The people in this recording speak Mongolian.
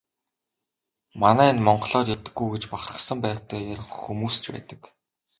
Манай энэ монголоор ярьдаггүй гэж бахархсан байртай ярих хүмүүс ч байдаг.